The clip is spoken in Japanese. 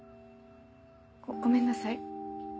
ごごめんなさい。